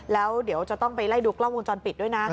แล้วเดี๋ยวจะต้องไปไล่ดูกล้องวงจรปิดด้วยนะ